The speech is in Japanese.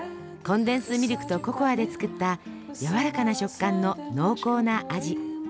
コンデンスミルクとココアで作ったやわらかな食感の濃厚な味。